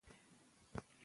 چي په ځان غره مي نه کړې،